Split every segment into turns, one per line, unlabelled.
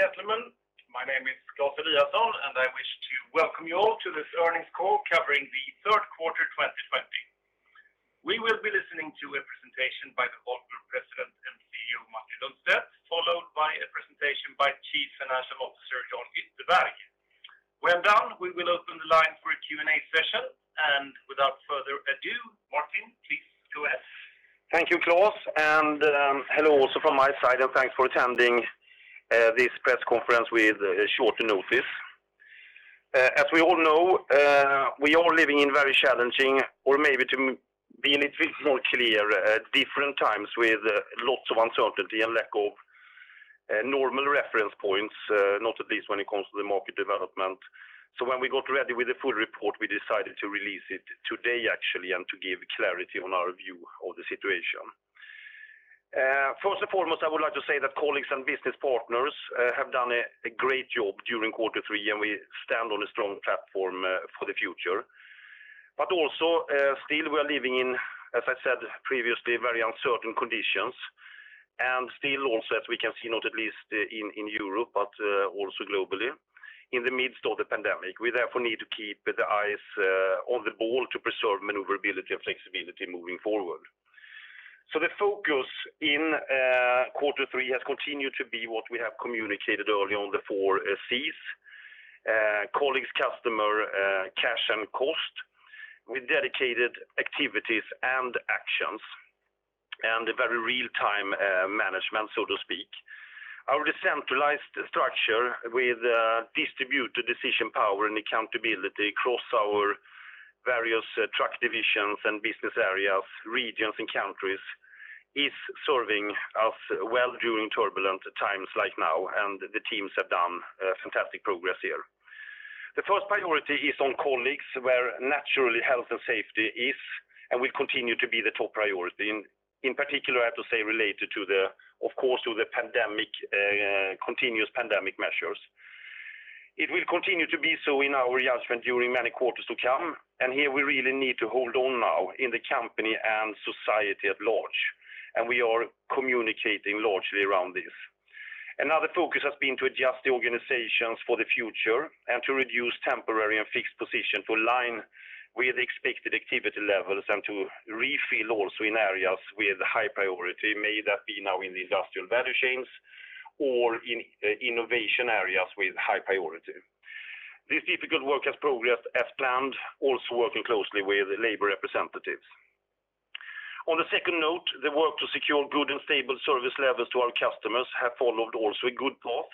Ladies and gentlemen, my name is Claes Eliasson, I wish to welcome you all to this earnings call covering the third quarter 2020. We will be listening to a presentation by the Volvo Group President and CEO, Martin Lundstedt, followed by a presentation by Chief Financial Officer Jan Ytterberg. When done, we will open the line for a Q&A session, without further ado, Martin, please go ahead.
Thank you, Claes, and hello also from my side, and thanks for attending this press conference with short notice. As we all know, we are living in very challenging, or maybe to be a little bit more clear, different times with lots of uncertainty and lack of normal reference points, not at least when it comes to the market development. When we got ready with the full report, we decided to release it today, actually, and to give clarity on our view of the situation. First and foremost, I would like to say that colleagues and business partners have done a great job during quarter three, and we stand on a strong platform for the future. Also, still we are living in, as I said previously, very uncertain conditions, and still also, as we can see, not at least in Europe, but also globally, in the midst of the pandemic. We therefore need to keep the eyes on the ball to preserve maneuverability and flexibility moving forward. The focus in quarter three has continued to be what we have communicated early on, the Four Cs: colleagues, customer, cash, and cost, with dedicated activities and actions, and a very real-time management, so to speak. Our decentralized structure with distributed decision power and accountability across our various truck divisions and business areas, regions, and countries, is serving us well during turbulent times like now, and the teams have done fantastic progress here. The first priority is on colleagues, where naturally health and safety is and will continue to be the top priority, in particular, I have to say, related to the continuous pandemic measures. It will continue to be so in our judgment during many quarters to come, and here we really need to hold on now in the company and society at large, and we are communicating largely around this. Another focus has been to adjust the organizations for the future and to reduce temporary and fixed position to align with expected activity levels and to refill also in areas with high priority, may that be now in the industrial value chains or in innovation areas with high priority. This difficult work has progressed as planned, also working closely with labor representatives. On the second note, the work to secure good and stable service levels to our customers have followed also a good path.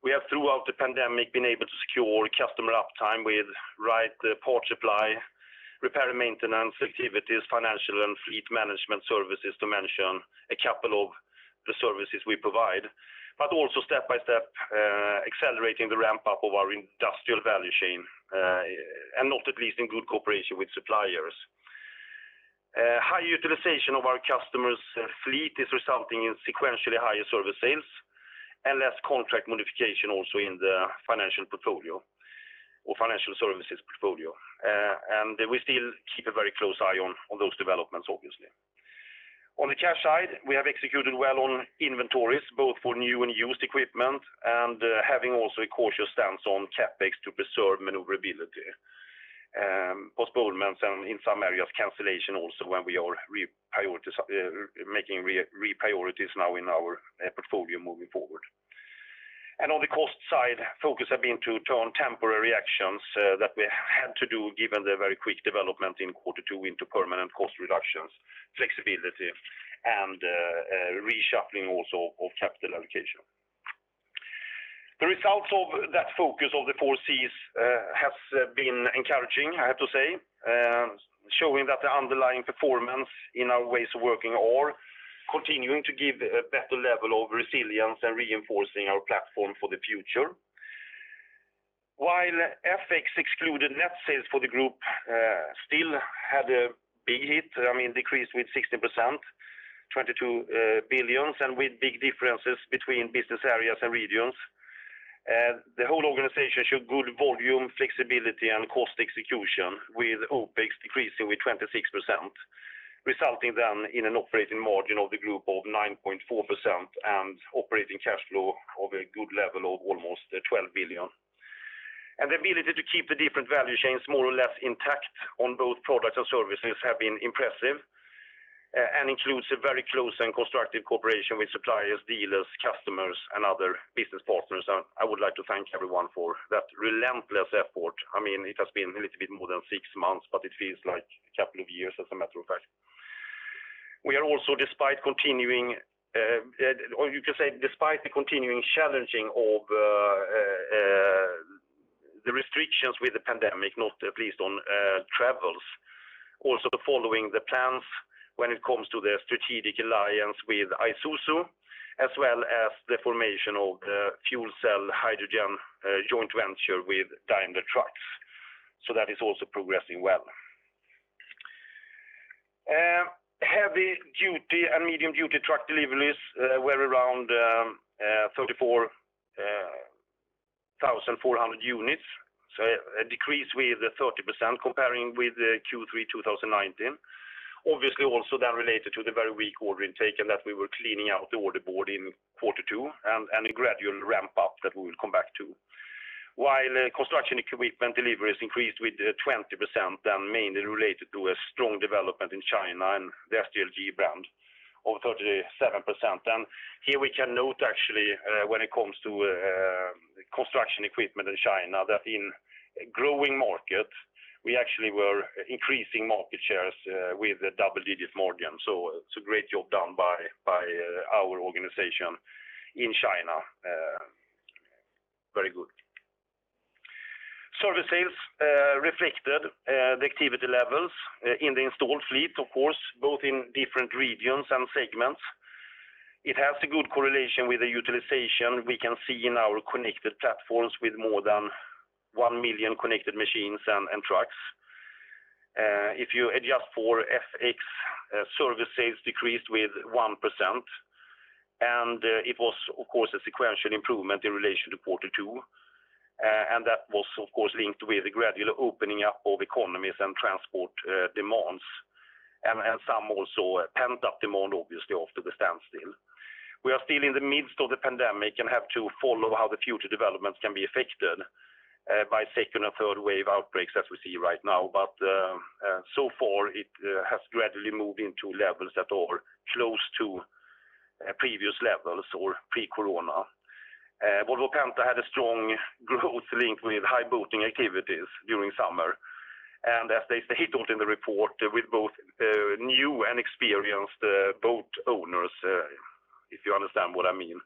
We have, throughout the pandemic, been able to secure customer uptime with right parts supply, repair and maintenance activities, financial and fleet management services, to mention a couple of the services we provide, but also step by step accelerating the ramp-up of our industrial value chain, and not at least in good cooperation with suppliers. High utilization of our customers' fleet is resulting in sequentially higher service sales and less contract modification also in the financial portfolio or financial services portfolio. We still keep a very close eye on those developments, obviously. On the cash side, we have executed well on inventories, both for new and used equipment, and having also a cautious stance on CapEx to preserve maneuverability. Postponements and, in some areas, cancellation also when we are making repriorities now in our portfolio moving forward. On the cost side, focus has been to turn temporary actions that we had to do, given the very quick development in quarter two, into permanent cost reductions, flexibility, and reshuffling also of capital allocation. The results of that focus of the four Cs has been encouraging, I have to say, showing that the underlying performance in our ways of working are continuing to give a better level of resilience and reinforcing our platform for the future. While FX-excluded net sales for the group still had a big hit, decreased with 16%, 22 billion, and with big differences between business areas and regions, the whole organization showed good volume, flexibility, and cost execution, with OpEx decreasing with 26%, resulting then in an operating margin of the group of 9.4% and operating cash flow of a good level of almost 12 billion. The ability to keep the different value chains more or less intact on both products and services have been impressive and includes a very close and constructive cooperation with suppliers, dealers, customers, and other business partners. I would like to thank everyone for that relentless effort. It has been a little bit more than six months, but it feels like a couple of years, as a matter of fact. You could say despite the continuing challenges of the restrictions with the pandemic, not at least on travels, also following the plans when it comes to the strategic alliance with Isuzu, as well as the formation of the fuel cell hydrogen joint venture with Daimler Trucks. That is also progressing well. Heavy-duty and medium-duty truck deliveries were around 34,400 units, so a decrease with 30% comparing with Q3 2019. Obviously, also then related to the very weak order intake, and that we were cleaning out the order board in quarter two, and a gradual ramp-up that we will come back to. While construction equipment deliveries increased with 20%, then mainly related to a strong development in China and the SDLG brand of 37%. Here we can note, actually, when it comes to construction equipment in China, that in a growing market, we actually were increasing market shares with double-digit margins. It's a great job done by our organization in China. Very good. Service sales reflected the activity levels in the installed fleet, of course, both in different regions and segments. It has a good correlation with the utilization we can see in our connected platforms with more than 1 million connected machines and trucks. If you adjust for FX, service sales decreased with 1%, and it was, of course, a sequential improvement in relation to quarter two, and that was, of course, linked with the gradual opening up of economies and transport demands, and some also pent-up demand, obviously, after the standstill. We are still in the midst of the pandemic and have to follow how the future developments can be affected by second or third wave outbreaks as we see right now. So far, it has gradually moved into levels that are close to previous levels or pre-corona. Volvo Penta had a strong growth linked with high boating activities during summer, and as stated in the report, with both new and experienced boat owners, if you understand what I mean.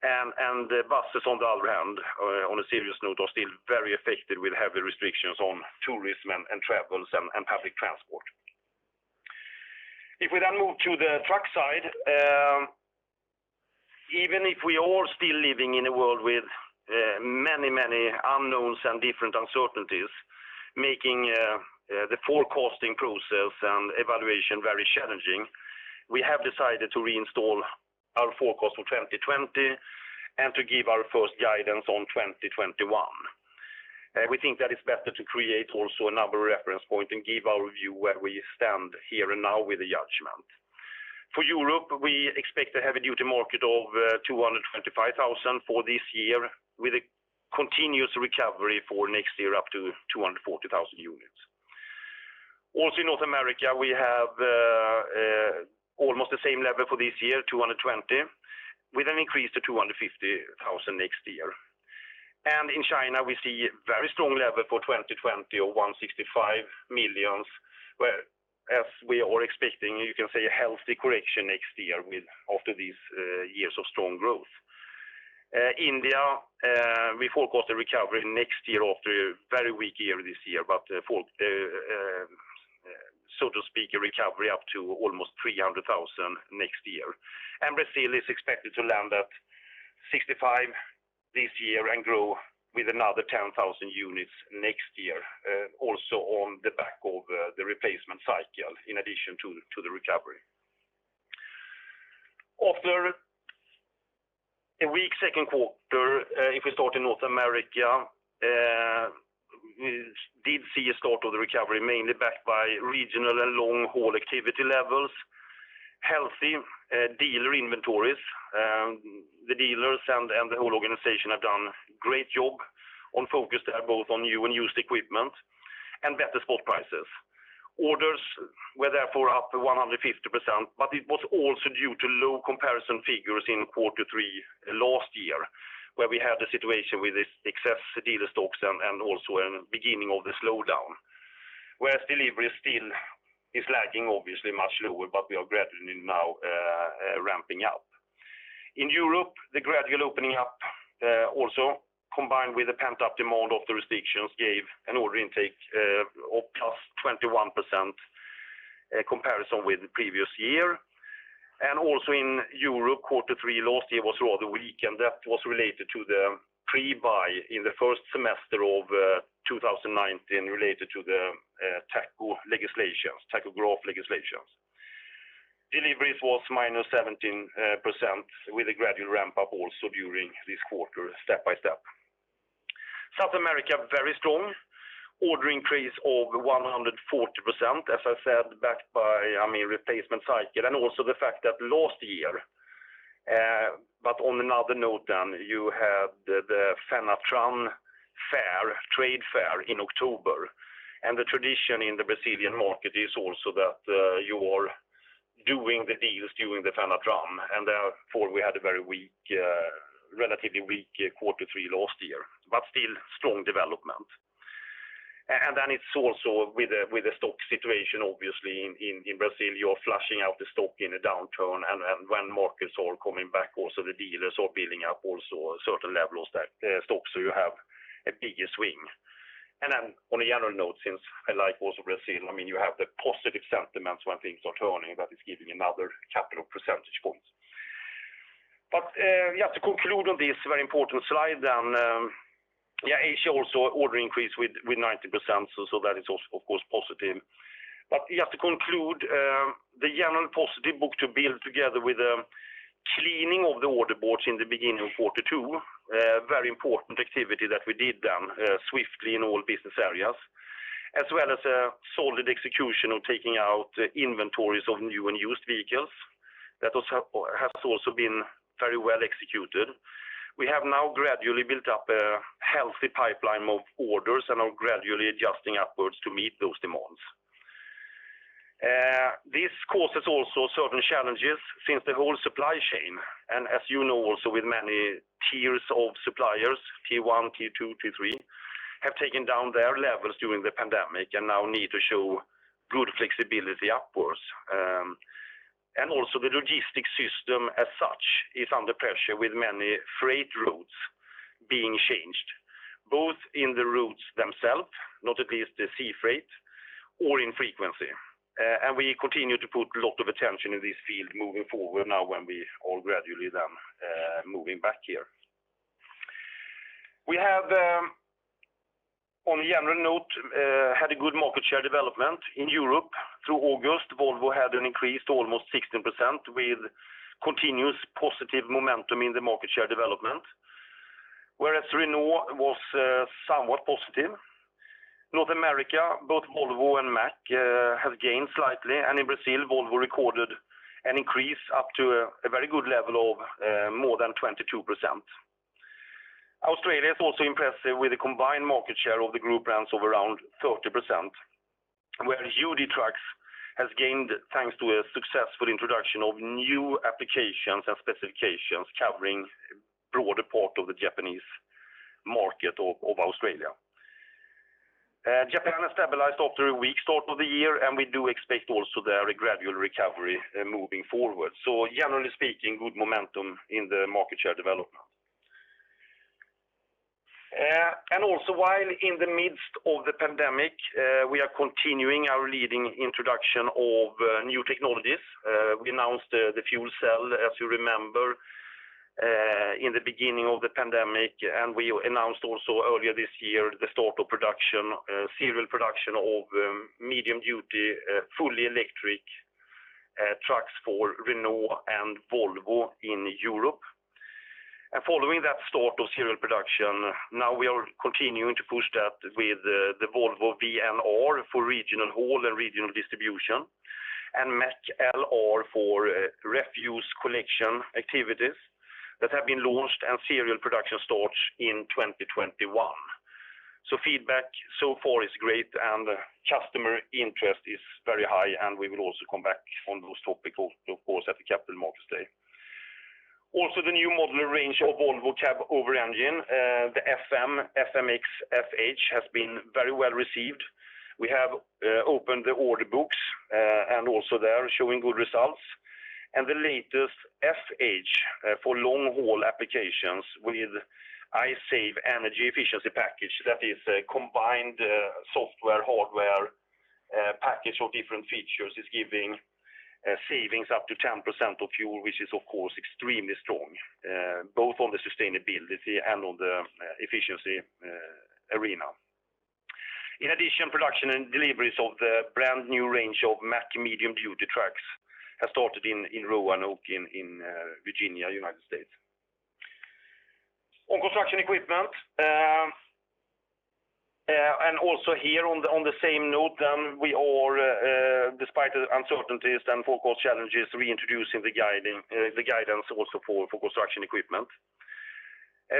Volvo Buses, on the other hand, on a serious note, are still very affected with heavy restrictions on tourism, and travels, and public transport. If we move to the truck side, even if we are still living in a world with many unknowns and different uncertainties, making the forecasting process and evaluation very challenging, we have decided to reinstall our forecast for 2020 and to give our first guidance on 2021. We think that it's better to create also another reference point and give our view where we stand here and now with a judgment. For Europe, we expect a heavy-duty market of 225,000 for this year, with a continuous recovery for next year up to 240,000 units. In North America, we have almost the same level for this year, 220, with an increase to 250,000 next year. In China, we see a very strong level for 2020 of 165,000, where, as we are expecting, you can say, a healthy correction next year after these years of strong growth. India, we forecast a recovery next year after a very weak year this year, but so to speak, a recovery up to almost 300,000 next year. Brazil is expected to land at 65 this year and grow with another 10,000 units next year, also on the back of the replacement cycle, in addition to the recovery. After a weak second quarter, if we start in North America, we did see a start of the recovery, mainly backed by regional and long-haul activity levels, healthy dealer inventories. The dealers and the whole organization have done a great job on focus there, both on new and used equipment, and better spot prices. Orders were therefore up 150%, but it was also due to low comparison figures in quarter three last year, where we had a situation with excess dealer stocks and also a beginning of the slowdown. Delivery still is lagging, obviously, much lower, but we are gradually now ramping up. In Europe, the gradual opening up also combined with the pent-up demand of the restrictions gave an order intake of +21% comparison with the previous year. Also in Europe, quarter three last year was rather weak, and that was related to the pre-buy in the first semester of 2019 related to the tachograph legislations. Deliveries was -17%, with a gradual ramp-up also during this quarter, step by step. South America, very strong. Order increase of 140%, as I said, backed by replacement cycle and also the fact that last year, but on another note then, you had the Fenatran trade fair in October. The tradition in the Brazilian market is also that you are doing the deals during the Fenatran, and therefore we had a relatively weak quarter three last year, but still strong development. Then it's also with the stock situation, obviously, in Brazil, you're flushing out the stock in a downturn, and when markets are coming back, also the dealers are building up also a certain level of that stock, so you have a bigger swing. Then, on a general note, since I like also Brazil, you have the positive sentiments when things are turning, but it's giving another capital percentage point. Yeah, to conclude on this very important slide then, Asia also order increase with 90%, so that is also, of course, positive. Yeah, to conclude, the general positive book-to-bill together with a cleaning of the order boards in the beginning of quarter 2, very important activity that we did then swiftly in all business areas, as well as a solid execution of taking out inventories of new and used vehicles. That has also been very well executed. We have now gradually built up a healthy pipeline of orders and are gradually adjusting upwards to meet those demands. This causes also certain challenges since the whole supply chain, and as you know also with many tiers of suppliers, Tier 1, Tier 2, Tier 3, have taken down their levels during the pandemic and now need to show good flexibility upwards. Also the logistics system as such is under pressure with many freight routes being changed, both in the routes themselves, not least the sea freight, or in frequency. We continue to put lot of attention in this field moving forward now when we all gradually then moving back here. We have, on a general note, had a good market share development in Europe. Through August, Volvo had an increase to almost 16% with continuous positive momentum in the market share development, whereas Renault was somewhat positive. North America, both Volvo and Mack, have gained slightly, and in Brazil, Volvo recorded an increase up to a very good level of more than 22%. Australia is also impressive with a combined market share of the group brands of around 30%, where UD Trucks has gained thanks to a successful introduction of new applications and specifications covering a broader part of the Japanese market of Australia. Japan has stabilized after a weak start of the year, and we do expect also there a gradual recovery moving forward. Generally speaking, good momentum in the market share development. Also while in the midst of the pandemic, we are continuing our leading introduction of new technologies. We announced the fuel cell, as you remember, in the beginning of the pandemic, and we announced also earlier this year the start of production, serial production of medium duty, fully electric trucks for Renault and Volvo in Europe. Following that start of serial production, now we are continuing to push that with the Volvo VNR for regional haul and regional distribution, and Mack LR for refuse collection activities that have been launched, and serial production starts in 2021. Feedback so far is great, and customer interest is very high, and we will also come back on those topics, of course, at the Capital Markets Day. The new modular range of Volvo cab over engine, the FM, FMX, FH, has been very well received. We have opened the order books, also there, showing good results. The latest FH for long-haul applications with I-Save energy efficiency package. That is a combined software, hardware package of different features is giving savings up to 10% of fuel, which is, of course, extremely strong, both on the sustainability and on the efficiency arena. In addition, production and deliveries of the brand new range of Mack medium-duty trucks has started in Roanoke in Virginia, U.S. On construction equipment, also here on the same note then, we are, despite the uncertainties and forecast challenges, reintroducing the guidance also for construction equipment.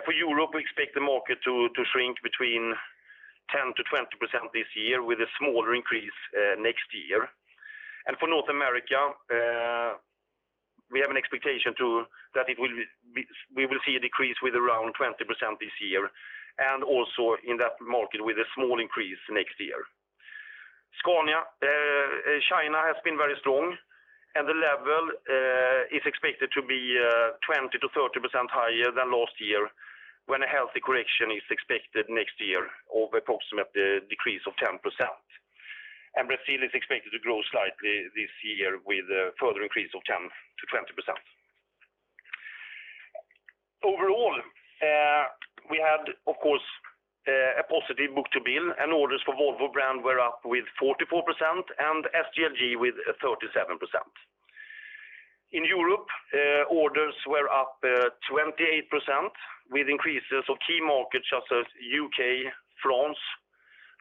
For Europe, we expect the market to shrink between 10%-20% this year, with a smaller increase next year. For North America, we have an expectation too that we will see a decrease with around 20% this year, also in that market, with a small increase next year. Asia, China has been very strong, the level is expected to be 20%-30% higher than last year, when a healthy correction is expected next year of approximate decrease of 10%. Brazil is expected to grow slightly this year with a further increase of 10%-20%. Overall, we had, of course, a positive book-to-bill, orders for Volvo brand were up with 44%, SDLG with 37%. In Europe, orders were up 28%, with increases of key markets such as U.K., France,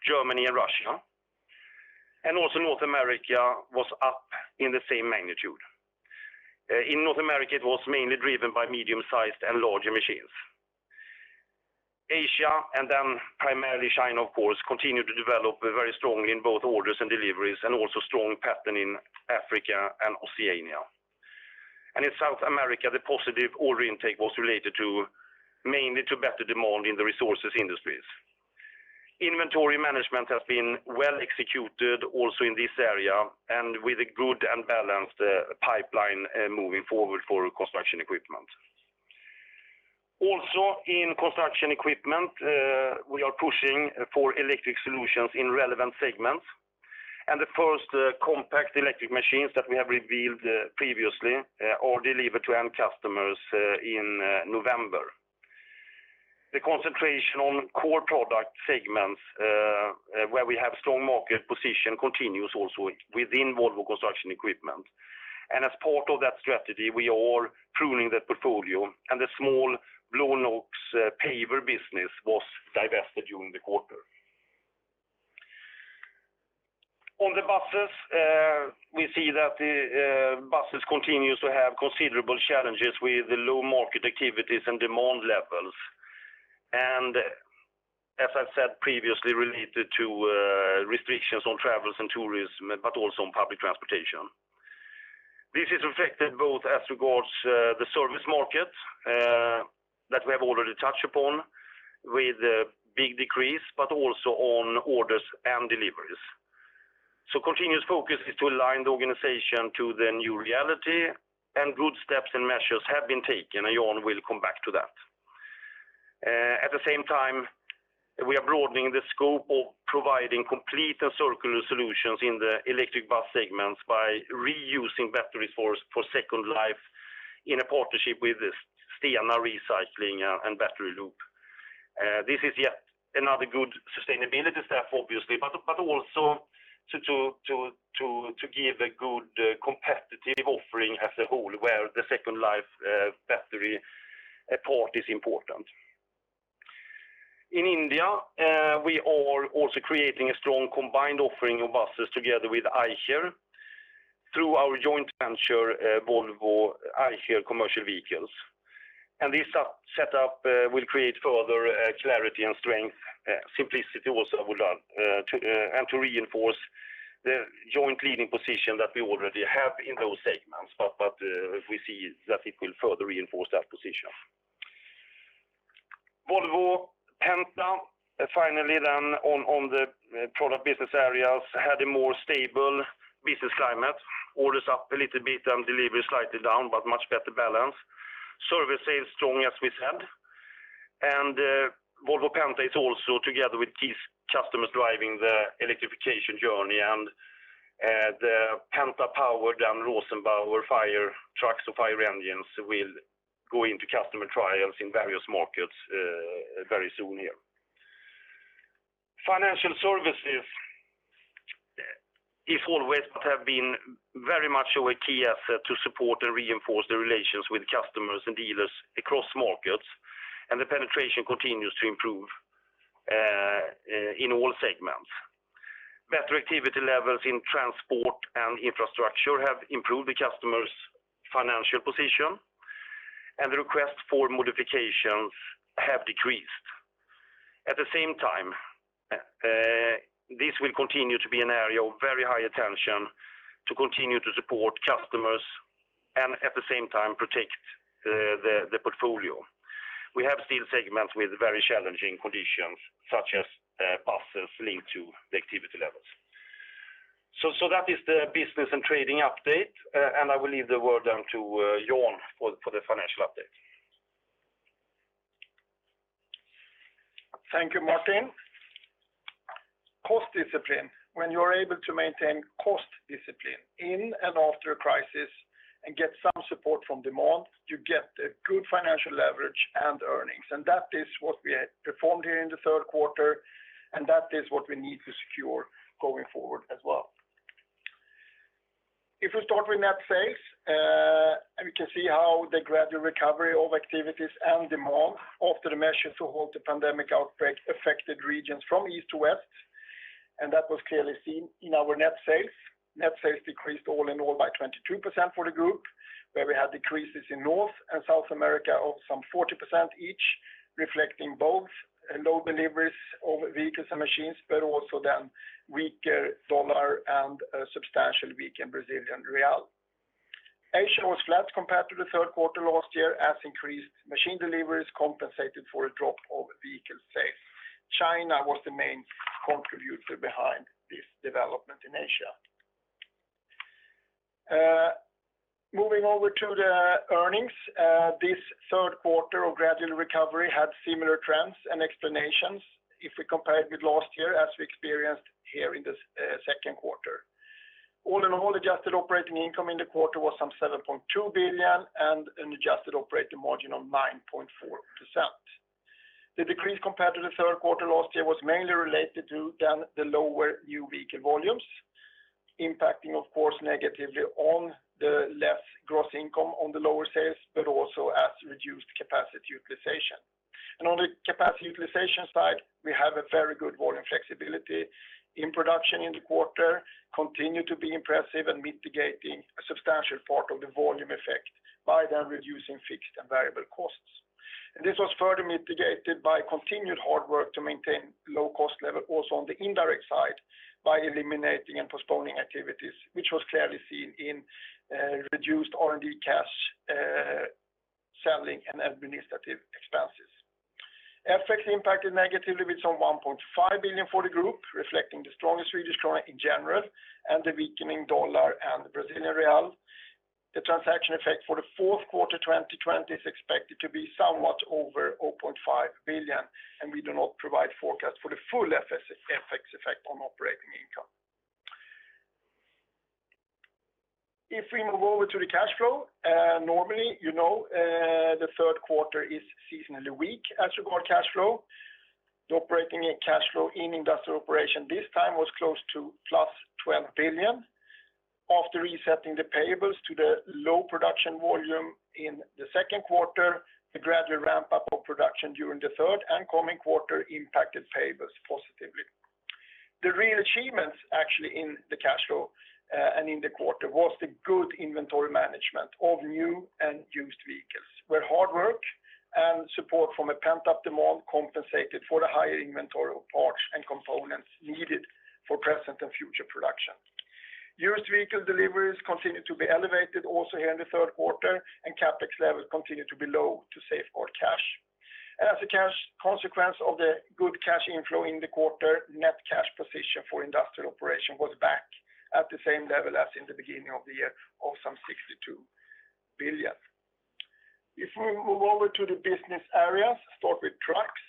Germany, and Russia. Also North America was up in the same magnitude. In North America, it was mainly driven by medium-sized and larger machines. Asia, and then primarily China, of course, continued to develop very strongly in both orders and deliveries, and also strong pattern in Africa and Oceania. In South America, the positive order intake was related to mainly to better demand in the resources industries. Inventory management has been well executed also in this area, and with a good and balanced pipeline moving forward for construction equipment. Also, in construction equipment, we are pushing for electric solutions in relevant segments, and the first compact electric machines that we have revealed previously are delivered to end customers in November. The concentration on core product segments, where we have strong market position, continues also within Volvo Construction Equipment. As part of that strategy, we are pruning that portfolio, and the small Blaw-Knox paver business was divested during the quarter. On the buses, we see that buses continues to have considerable challenges with the low market activities and demand levels, and as I said previously, related to restrictions on travels and tourism, but also on public transportation. This is reflected both as regards the service market, that we have already touched upon, with a big decrease, but also on orders and deliveries. Continuous focus is to align the organization to the new reality, and good steps and measures have been taken, and Jan will come back to that. At the same time, we are broadening the scope of providing complete and circular solutions in the electric bus segments by reusing battery source for second life in a partnership with Stena Recycling and BatteryLoop. This is yet another good sustainability step, obviously, but also to give a good competitive offering as a whole, where the second life battery part is important. In India, we are also creating a strong combined offering of buses together with Eicher, through our joint venture, VE Commercial Vehicles. This setup will create further clarity and strength, simplicity also, and to reinforce the joint leading position that we already have in those segments. We see that it will further reinforce that position. Volvo Penta, finally, then, on the product business areas, had a more stable business climate. Orders up a little bit and delivery slightly down, but much better balance. Service stays strong, as we said. Volvo Penta is also, together with key customers, driving the electrification journey, and the Penta powered Rosenbauer fire trucks or fire engines will go into customer trials in various markets very soon here. Financial Services have always been very much a key asset to support and reinforce the relations with customers and dealers across markets, and the penetration continues to improve in all segments. Better activity levels in transport and infrastructure have improved the customers' financial position, and the request for modifications has decreased. At the same time, this will continue to be an area of very high attention to continue to support customers and at the same time protect the portfolio. We have seen segments with very challenging conditions, such as Buses linked to the activity levels. That is the business and trading update, and I will leave the word then to Jan for the financial update.
Thank you, Martin. Cost discipline. When you are able to maintain cost discipline in and after a crisis and get some support from demand, you get a good financial leverage and earnings. That is what we performed here in the third quarter. That is what we need to secure going forward as well. If we start with net sales, we can see how the gradual recovery of activities and demand after the measures to halt the pandemic outbreak affected regions from East to West. That was clearly seen in our net sales. Net sales decreased all in all by 22% for the group, where we had decreases in North and South America of some 40% each, reflecting both low deliveries of vehicles and machines, but also then weaker USD and a substantial weak in BRL. Asia was flat compared to the third quarter last year, as increased machine deliveries compensated for a drop of vehicle sales. China was the main contributor behind this development in Asia. Moving over to the earnings. This third quarter of gradual recovery had similar trends and explanations if we compare it with last year, as we experienced here in the second quarter. All in all, adjusted operating income in the quarter was some 7.2 billion and an adjusted operating margin of 9.4%. The decrease compared to the third quarter last year was mainly related to then the lower new vehicle volumes, impacting, of course, negatively on the less gross income on the lower sales, but also as reduced capacity utilization. On the capacity utilization side, we have a very good volume flexibility in production in the quarter, continue to be impressive and mitigating a substantial part of the volume effect by then reducing fixed and variable costs. This was further mitigated by continued hard work to maintain low cost level also on the indirect side, by eliminating and postponing activities, which was clearly seen in reduced R&D cash, selling, and administrative expenses. FX impacted negatively with some 1.5 billion for the group, reflecting the strongest Swedish krona in general and the weakening USD and the Brazilian real. The transaction effect for the fourth quarter 2020 is expected to be somewhat over 0.5 billion, and we do not provide forecast for the full FX effect on operating income. If we move over to the cash flow, normally, the third quarter is seasonally weak as regard cash flow. The operating cash flow in industrial operation this time was close to plus 12 billion. After resetting the payables to the low production volume in the second quarter, the gradual ramp-up of production during the third and coming quarter impacted payables positively. The real achievements, actually, in the cash flow, and in the quarter, was the good inventory management of new and used vehicles, where hard work and support from a pent-up demand compensated for the higher inventory of parts and components needed for present and future production. Used vehicle deliveries continued to be elevated also here in the third quarter, and CapEx levels continued to be low to save for cash. As a consequence of the good cash inflow in the quarter, net cash position for industrial operation was back at the same level as in the beginning of the year, of some 62 billion. If we move over to the business areas, start with trucks.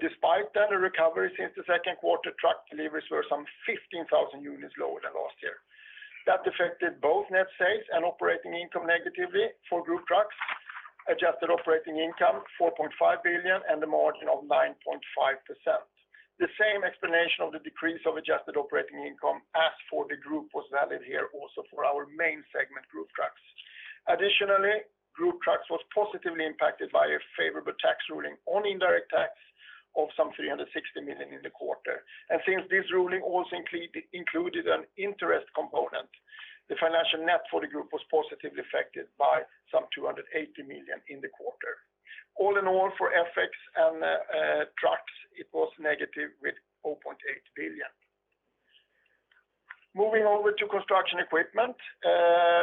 Despite that recovery since the second quarter, truck deliveries were some 15,000 units lower than last year. That affected both net sales and operating income negatively for Group Trucks. Adjusted operating income, 4.5 billion, and a margin of 9.5%. The same explanation of the decrease of adjusted operating income as for the group was valid here also for our main segment, Group Trucks. Additionally, Group Trucks was positively impacted by a favorable tax ruling on indirect tax of some 360 million in the quarter. Since this ruling also included an interest component, the financial net for the group was positively affected by some 280 million in the quarter. All in all, for FX and trucks, it was negative, with 0.8 billion. Moving over to construction equipment.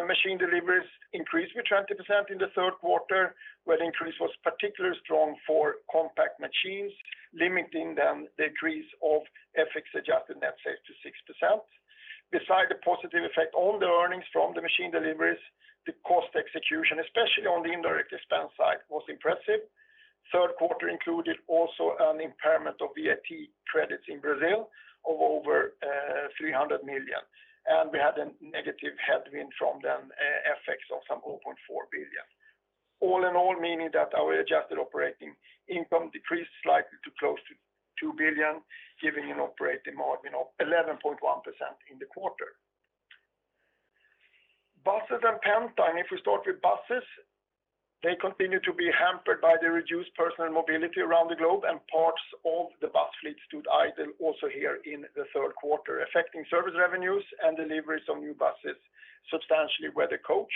Machine deliveries increased with 20% in the third quarter, where the increase was particularly strong for compact machines, limiting the decrease of FX-adjusted net sales to 6%. Besides the positive effect on the earnings from the machine deliveries, the cost execution, especially on the indirect expense side, was impressive. Third quarter included also an impairment of FINAME credits in Brazil of over 300 million, and we had a negative headwind from the FX of some 0.4 billion. All in all, meaning that our adjusted operating income decreased slightly to close to 2 billion, giving an operating margin of 11.1% in the quarter. Buses and Penta. If we start with buses, they continue to be hampered by the reduced personal mobility around the globe, and parts of the bus fleet stood idle also here in the third quarter, affecting service revenues and deliveries of new buses substantially, where the coach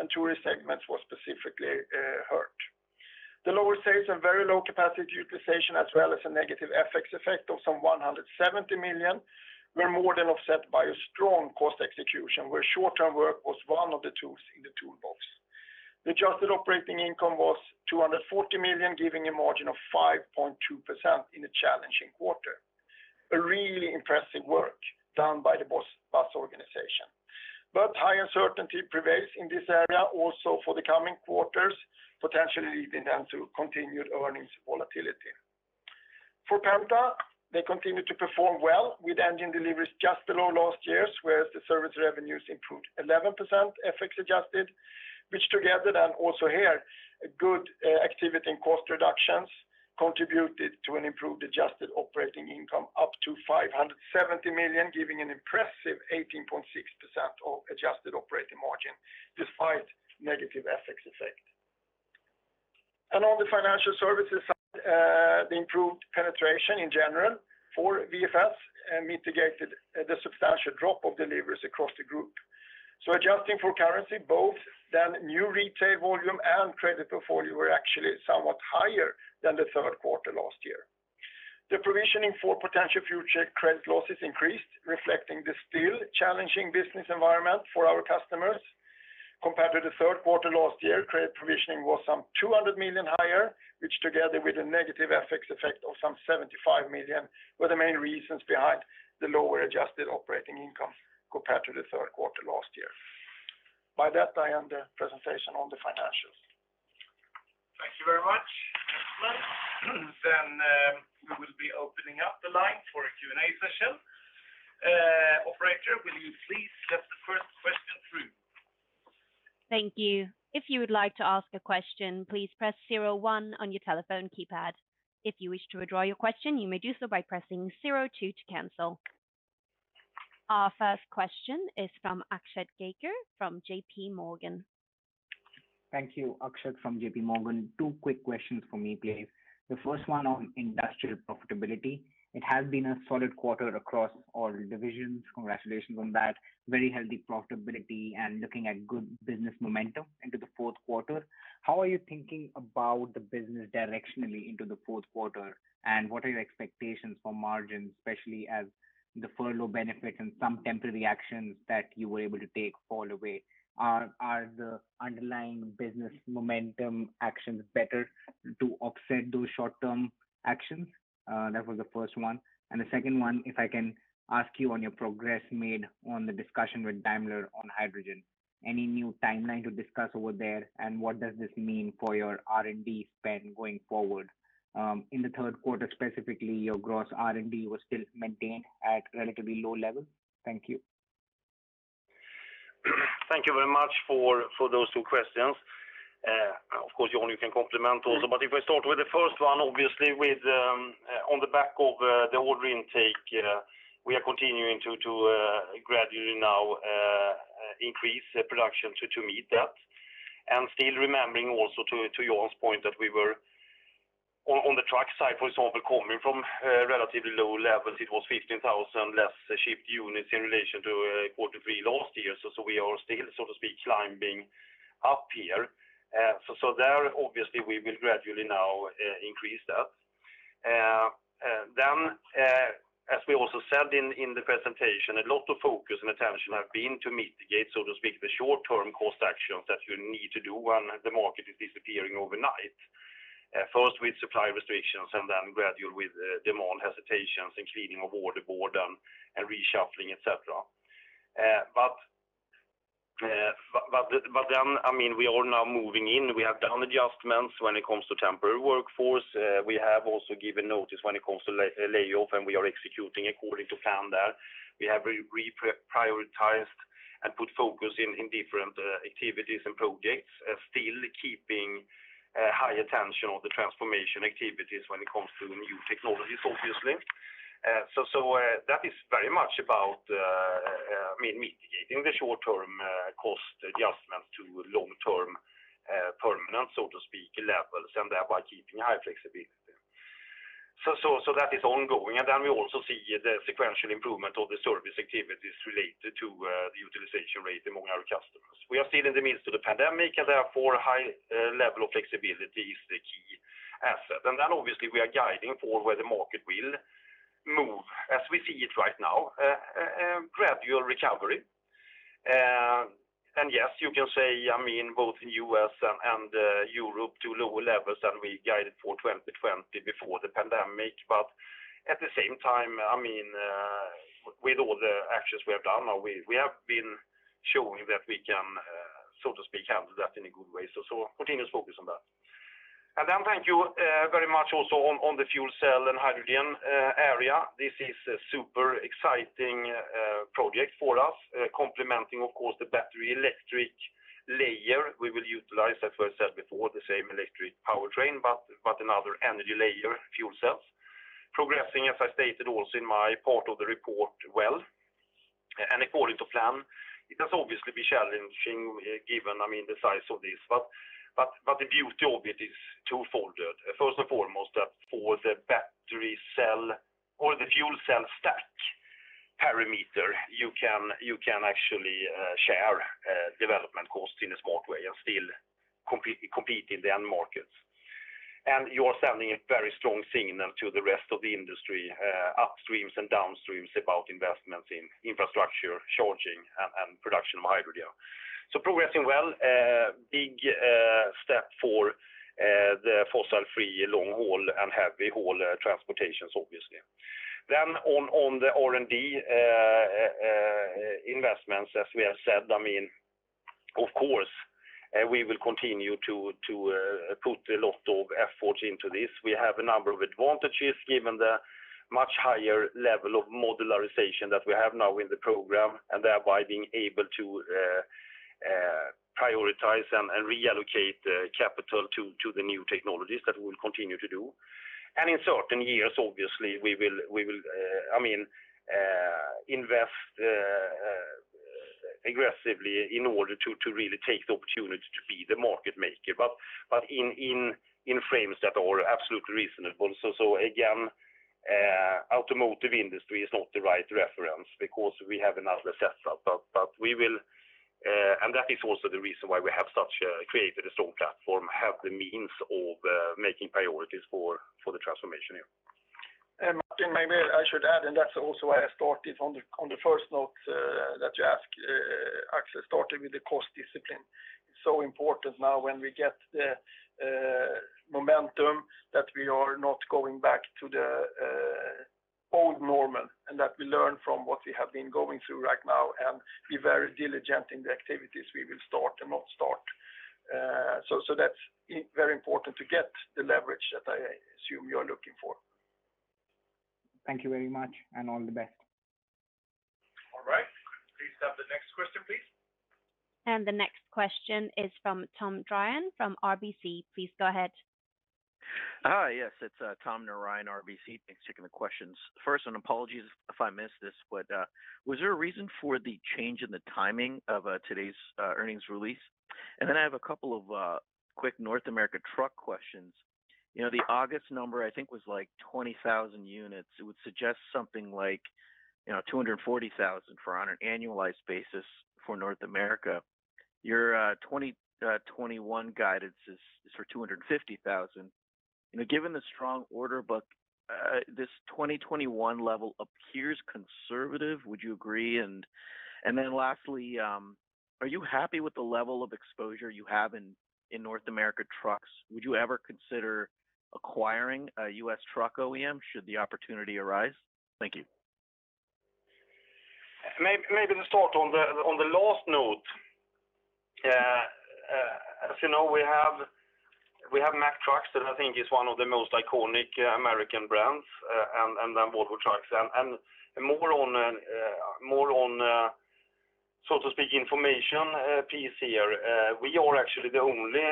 and tourist segments was specifically hurt. The lower sales and very low capacity utilization, as well as a negative FX effect of some 170 million, were more than offset by a strong cost execution, where short-term work was one of the tools in the toolbox. The adjusted operating income was 240 million, giving a margin of 5.2% in a challenging quarter. A really impressive work done by the bus organization. High uncertainty prevails in this area also for the coming quarters, potentially leading them to continued earnings volatility. For Penta, they continued to perform well, with engine deliveries just below last year's, whereas the service revenues improved 11%, FX adjusted, which together also here, a good activity in cost reductions contributed to an improved adjusted operating income up to 570 million, giving an impressive 18.6% of adjusted operating margin, despite negative FX effect. On the financial services side, the improved penetration in general for VFS mitigated the substantial drop of deliveries across the group. Adjusting for currency, both new retail volume and credit portfolio were actually somewhat higher than the third quarter last year. The provisioning for potential future credit losses increased, reflecting the still challenging business environment for our customers. Compared to the third quarter last year, credit provisioning was some 200 million higher, which together with a negative FX effect of some 75 million, were the main reasons behind the lower adjusted operating income compared to the third quarter last year. By that, I end the presentation on the financials.
Thank you very much, Jan. We will be opening up the line for a Q&A session. Operator, will you please let the first question through?
Thank you. If you would like to ask a question, please press 01 on your telephone keypad. If you wish to withdraw your question, you may do so by pressing 02 to cancel. Our first question is from Akshat Kacker from JPMorgan.
Thank you. Akshat from JPMorgan. Two quick questions from me, please. The first one on industrial profitability. It has been a solid quarter across all divisions. Congratulations on that. Very healthy profitability and looking at good business momentum into the fourth quarter. How are you thinking about the business directionally into the fourth quarter, and what are your expectations for margins, especially as the furlough benefit and some temporary actions that you were able to take fall away? Are the underlying business momentum actions better to offset those short-term actions? That was the first one. The second one, if I can ask you on your progress made on the discussion with Daimler on hydrogen. Any new timeline to discuss over there, and what does this mean for your R&D spend going forward? In the third quarter specifically, your gross R&D was still maintained at relatively low levels. Thank you.
Thank you very much for those two questions. Of course, Jan, you can compliment also. If I start with the first one, obviously on the back of the order intake, we are continuing to gradually now increase production to meet that. Still remembering also to Jan's point, that we were on the truck side, for example, coming from relatively low levels, it was 15,000 less shipped units in relation to quarter three last year. We are still, so to speak, climbing up here. There, obviously, we will gradually now increase that. As we also said in the presentation, a lot of focus and attention have been to mitigate, so to speak, the short-term cost actions that you need to do when the market is disappearing overnight. First, with supply restrictions, and then gradual with demand hesitations and cleaning of order board and reshuffling, et cetera. We are now moving in. We have done adjustments when it comes to temporary workforce. We have also given notice when it comes to lay off, and we are executing according to plan there. We have reprioritized and put focus in different activities and projects, still keeping high attention on the transformation activities when it comes to new technologies, obviously. That is very much about mitigating the short-term cost adjustments to long-term permanent, so to speak, levels, and thereby keeping high flexibility. That is ongoing, and we also see the sequential improvement of the service activities related to the utilization rate among our customers. We are still in the midst of the pandemic, and therefore, high level of flexibility is the key asset. Obviously, we are guiding for where the market will move, as we see it right now, gradual recovery. Yes, you can say, both in U.S. and Europe, to lower levels than we guided for 2020 before the pandemic. At the same time, with all the actions we have done now, we have been showing that we can, so to speak, handle that in a good way. Continuous focus on that. Thank you very much also on the fuel cell and hydrogen area. This is a super exciting project for us, complementing, of course, the battery electric layer we will utilize, as I said before, the same electric powertrain, but another energy layer, fuel cells. Progressing, as I stated also in my part of the report, well and according to plan. It has obviously been challenging given the size of this. The beauty of it is two-folded. First and foremost, that for the battery cell or the fuel cell stack parameter, you can actually share development cost in a smart way and still compete in the end markets. You are sending a very strong signal to the rest of the industry, upstreams and downstreams, about investments in infrastructure, charging, and production of hydrogen. Progressing well. Big step for the fossil-free long haul and heavy haul transportations, obviously. On the R&D investments, as we have said, of course, we will continue to put a lot of effort into this. We have a number of advantages given the much higher level of modularization that we have now in the program, and thereby being able to prioritize and reallocate capital to the new technologies that we'll continue to do. In certain years, obviously, we will invest aggressively in order to really take the opportunity to be the market maker. In frames that are absolutely reasonable. Again, automotive industry is not the right reference because we have another setup. That is also the reason why we have created a strong platform, have the means of making priorities for the transformation here.
Martin, maybe I should add, that's also why I started on the first note that you asked, Akshat, starting with the cost discipline. Important now when we get the momentum that we are not going back to the old normal, and that we learn from what we have been going through right now and be very diligent in the activities we will start and not start. That's very important to get the leverage that I assume you're looking for.
Thank you very much, and all the best.
All right. Please have the next question, please.
The next question is from Tom Narayan from RBC. Please go ahead.
Hi, yes, it's Tom Narayan, RBC. Thanks for taking the questions. First, and apologies if I missed this, but was there a reason for the change in the timing of today's earnings release? I have a couple of quick North America truck questions. The August number, I think, was like 20,000 units. It would suggest something like 240,000 for on an annualized basis for North America. Your 2021 guidance is for 250,000. Given the strong order book, this 2021 level appears conservative. Would you agree? Lastly, are you happy with the level of exposure you have in North America trucks? Would you ever consider acquiring a U.S. truck OEM should the opportunity arise? Thank you.
Maybe let's start on the last note. As you know, we have Mack Trucks, that I think is one of the most iconic American brands, and then Volvo Trucks. more on, so to speak, information piece here, we are actually the only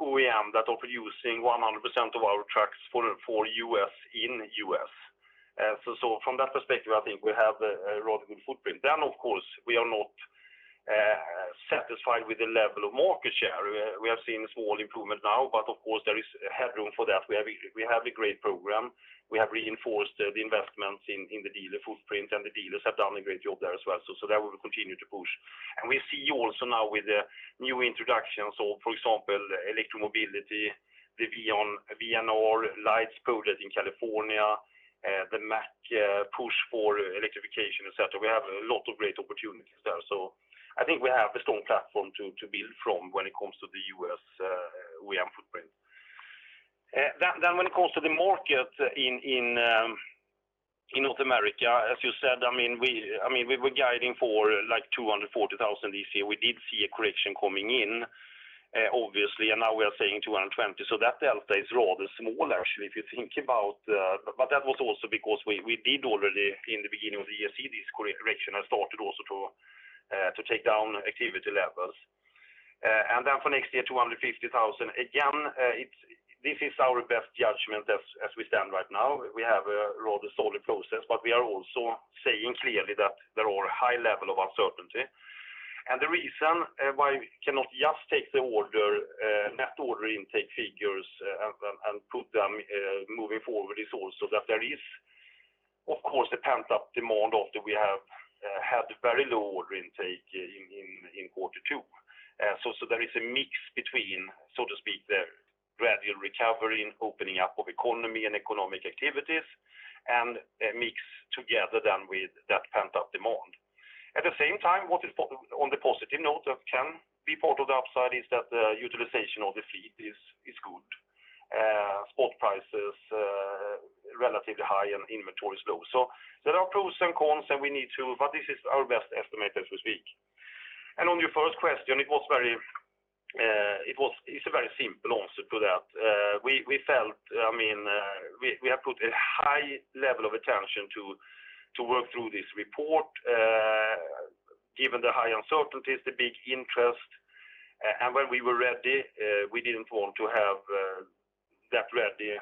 OEM that are producing 100% of our trucks for U.S. in U.S. from that perspective, I think we have a rather good footprint. of course, we are not satisfied with the level of market share. We are seeing a small improvement now, but of course, there is headroom for that. We have a great program. We have reinforced the investments in the dealer footprint, and the dealers have done a great job there as well. that, we will continue to push. We see also now with the new introductions of, for example, electromobility, the VNR LIGHTS project in California, the Mack push for electrification, et cetera. We have a lot of great opportunities there. I think we have a strong platform to build from when it comes to the U.S. OEM footprint. When it comes to the market in North America, as you said, we were guiding for 240,000 this year. We did see a correction coming in, obviously, and now we are saying 220. That delta is rather small actually, if you think about. That was also because we did already in the beginning of the year, see this correction has started also to take down activity levels. For next year, 250,000. Again, this is our best judgment as we stand right now. We have a rather solid process, but we are also saying clearly that there are a high level of uncertainty. The reason why we cannot just take the net order intake figures and put them moving forward is also that there is, of course, the pent-up demand after we have had very low order intake in quarter two. There is a mix between, so to speak, the gradual recovery and opening up of economy and economic activities, and a mix together then with that pent-up demand. At the same time, on the positive note, that can be part of the upside is that the utilization of the fleet is good. Spot prices are relatively high and inventory is low. There are pros and cons, but this is our best estimate as we speak. On your first question, it's a very simple answer to that. We have put a high level of attention to work through this report, given the high uncertainties, the big interest. When we were ready, we didn't want to have that ready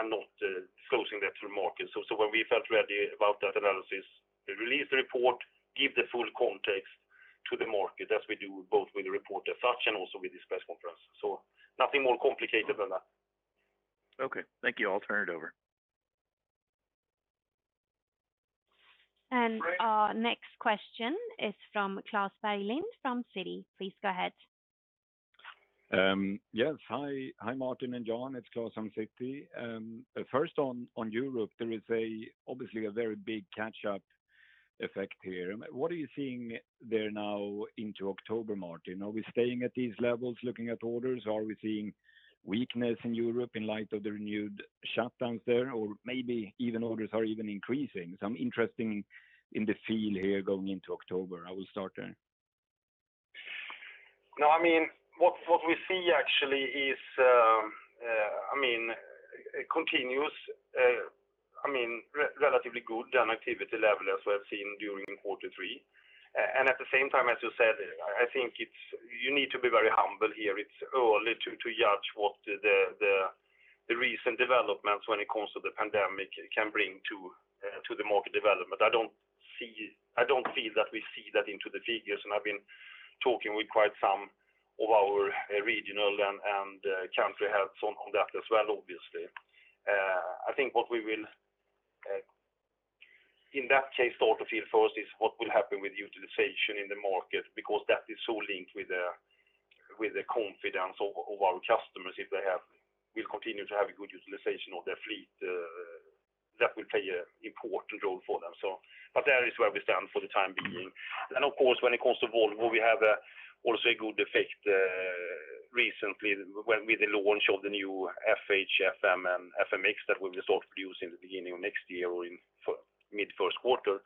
and not disclosing that to the market. When we felt ready about that analysis, we released the report, gave the full context to the market as we do both with the report as such and also with this press conference. Nothing more complicated than that.
Okay. Thank you. I'll turn it over.
Our next question is from Klas Bergelind from Citi. Please go ahead.
Yes. Hi, Martin and Jan. It's Klas from Citi. First on Europe, there is obviously a very big catch-up effect here. What are you seeing there now into October, Martin? Are we staying at these levels looking at orders, or are we seeing weakness in Europe in light of the renewed shutdowns there, or maybe even orders are even increasing? Some interesting in the field here going into October. I will start there.
No, what we see actually is a continuous, relatively good activity level as we have seen during Q3. At the same time, as you said, I think you need to be very humble here. It's early to judge what the recent developments when it comes to the pandemic can bring to the market development. I don't feel that we see that into the figures, and I've been talking with quite some of our regional and country heads on that as well, obviously. I think what we will, in that case, sort of feel first is what will happen with utilization in the market, because that is so linked with the confidence of our customers. If they will continue to have a good utilization of their fleet, that will play an important role for them. That is where we stand for the time being. Of course, when it comes to Volvo, we have also a good effect recently with the launch of the new FH, FM, and FMX that we will start producing at the beginning of next year or in mid first quarter,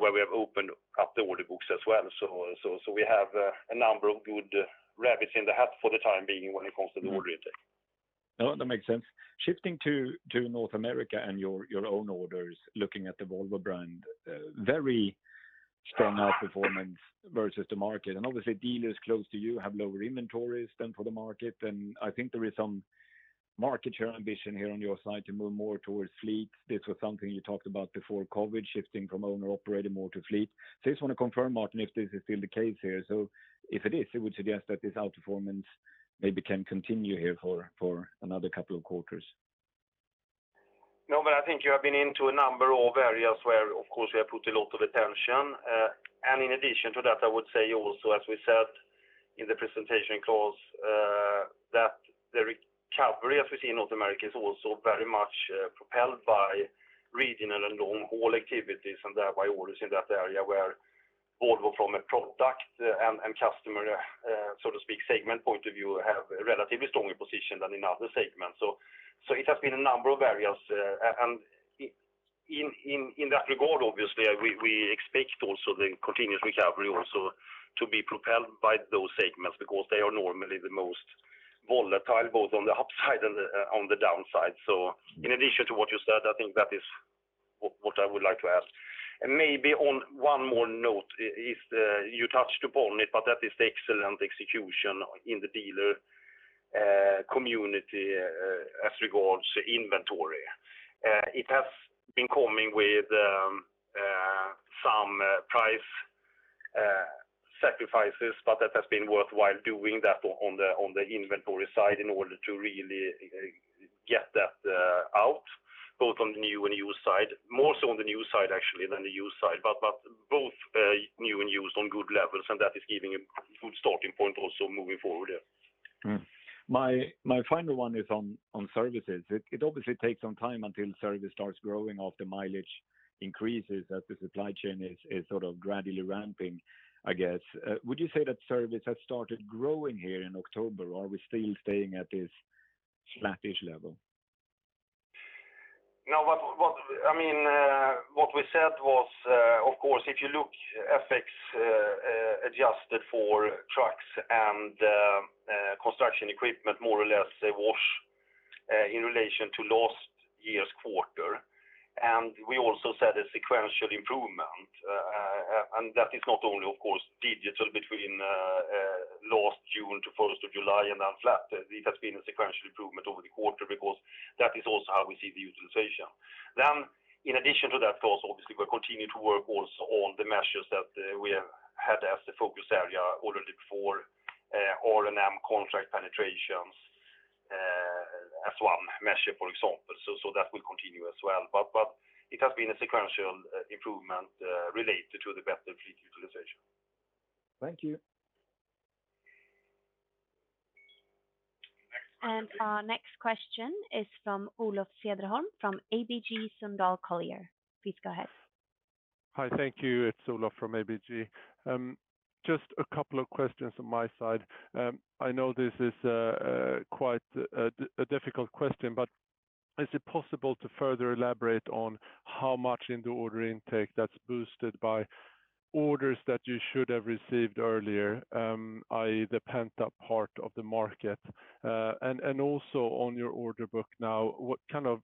where we have opened up the order books as well. We have a number of good rabbits in the hat for the time being when it comes to the order intake.
No, that makes sense. Shifting to North America and your own orders, looking at the Volvo brand, very strong outperformance versus the market. Obviously, dealers close to you have lower inventories than for the market. I think there is some market share ambition here on your side to move more towards fleet. This was something you talked about before COVID, shifting from owner operated more to fleet. I just want to confirm, Martin, if this is still the case here. If it is, it would suggest that this outperformance maybe can continue here for another couple of quarters.
No, I think you have been into a number of areas where, of course, we have put a lot of attention. In addition to that, I would say also, as we said in the presentation, Klas, that the recovery, as we see in North America, is also very much propelled by regional and long-haul activities, and thereby orders in that area where Volvo, from a product and customer, so to speak, segment point of view, have a relatively stronger position than in other segments. It has been a number of areas, and in that regard, obviously, we expect also the continuous recovery also to be propelled by those segments because they are normally the most volatile, both on the upside and on the downside. In addition to what you said, I think that is what I would like to ask. Maybe on one more note is, you touched upon it, but that is the excellent execution in the dealer community as regards inventory. It has been coming with some price sacrifices, but that has been worthwhile doing that on the inventory side in order to really get that out, both on the new and used side. More so on the new side, actually, than the used side. Both new and used on good levels, and that is giving a good starting point also moving forward.
My final one is on services. It obviously takes some time until service starts growing after mileage increases, as the supply chain is gradually ramping, I guess. Would you say that service has started growing here in October, or are we still staying at this flattish level?
No. What we said was, of course, if you look FX adjusted for trucks and construction equipment, more or less a wash in relation to last year's quarter. We also said a sequential improvement. That is not only, of course, digital between last June to 1st of July and then flat. It has been a sequential improvement over the quarter because that is also how we see the utilization. In addition to that, of course, obviously, we continue to work also on the measures that we have had as the focus area already before, R&M contract penetrations, as one measure, for example. That will continue as well. It has been a sequential improvement related to the better fleet utilization.
Thank you.
Our next question is from Olof Cederholm, from ABG Sundal Collier. Please go ahead.
Hi. Thank you. It's Olof from ABG. Just a couple of questions on my side. I know this is quite a difficult question, but is it possible to further elaborate on how much in the order intake that's boosted by orders that you should have received earlier, i.e., the pent-up part of the market? Also on your order book now, what kind of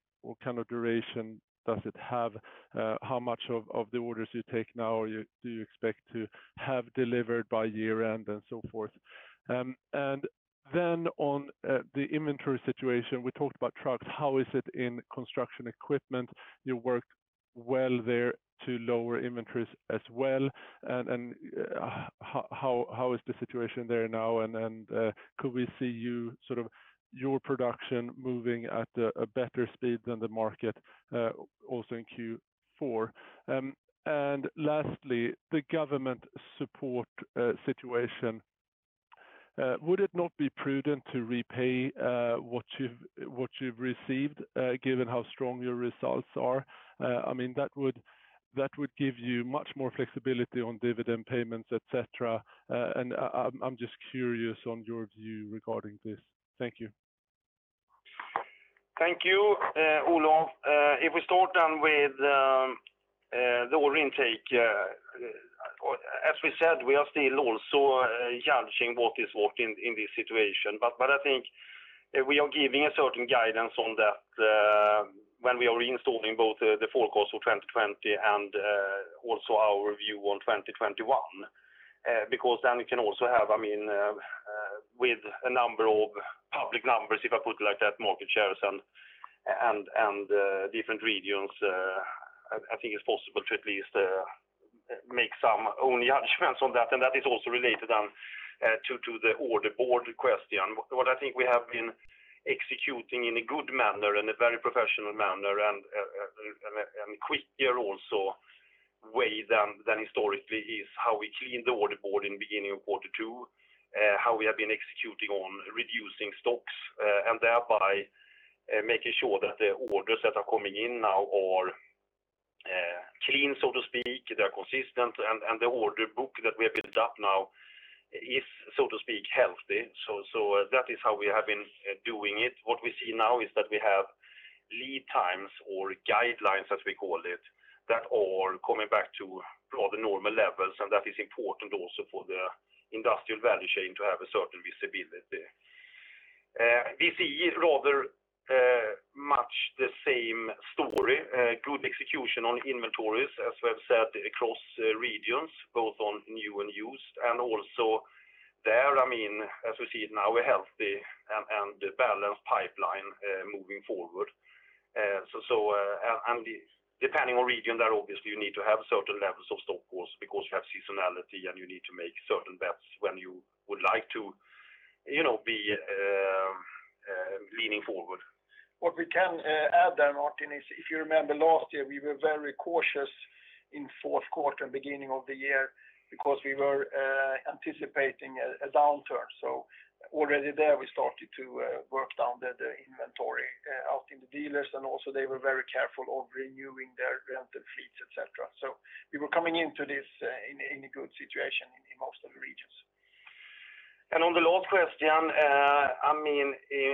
duration does it have? How much of the orders you take now do you expect to have delivered by year-end and so forth? On the inventory situation, we talked about trucks. How is it in construction equipment? You worked well there to lower inventories as well, and how is the situation there now? Could we see your production moving at a better speed than the market also in Q4? Lastly, the government support situation. Would it not be prudent to repay what you've received, given how strong your results are? That would give you much more flexibility on dividend payments, et cetera, and I'm just curious on your view regarding this. Thank you.
Thank you, Olof. If we start then with the order intake, as we said, we are still also judging what is working in this situation. I think we are giving a certain guidance on that when we are reinstalling both the forecast for 2020 and also our view on 2021. Because then we can also have, with a number of public numbers, if I put it like that, market shares, and different regions, I think it's possible to at least make some own judgments on that, and that is also related then to the order board question. What I think we have been executing in a good manner and a very professional manner and quicker also way than historically, is how we clean the order board in beginning of quarter two. How we have been executing on reducing stocks, and thereby making sure that the orders that are coming in now are clean, so to speak. They're consistent, and the order book that we have built up now is, so to speak, healthy. That is how we have been doing it. What we see now is that we have lead times or guidelines, as we call it, that are coming back to rather normal levels, and that is important also for the industrial value chain to have a certain visibility. We see it rather much the same story, good execution on inventories, as we have said, across regions, both on new and used, and also there, as we see it now, a healthy and balanced pipeline moving forward. Depending on region there, obviously, you need to have certain levels of stock, of course, because you have seasonality, and you need to make certain bets when you would like to be leaning forward.
What we can add there, Martin, is if you remember last year, we were very cautious in fourth quarter and beginning of the year because we were anticipating a downturn. Already there, we started to work down the inventory out in the dealers, and also they were very careful of renewing their rented fleets, et cetera. We were coming into this in a good situation in most of the regions.
On the last question,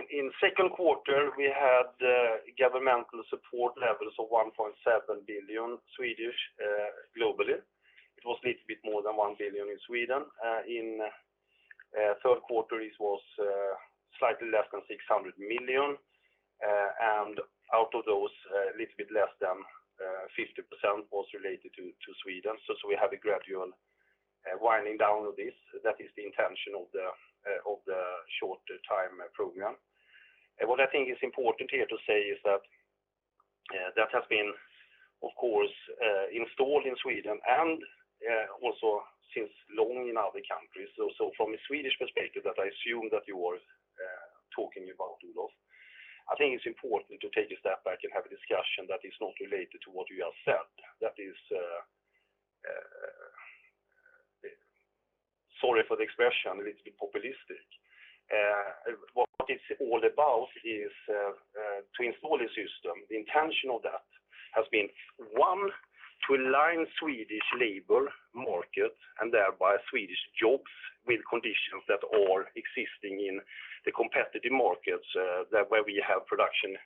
in second quarter, we had governmental support levels of 1.7 billion globally. It was a little bit more than 1 billion in Sweden. In third quarter, it was slightly less than 600 million, and out of those, a little bit less than 50% was related to Sweden. We have a gradual winding down of this. That is the intention of the short-time program. What I think is important here to say is that has been, of course, installed in Sweden and also since long in other countries. From a Swedish perspective that I assume that you were talking about, Olof, I think it's important to take a step back and have a discussion that is not related to what you have said. That is, sorry for the expression, a little bit populistic. What it's all about is to install a system. The intention of that has been, one, to align Swedish labor market and thereby Swedish jobs with conditions that are existing in the competitive markets where we have production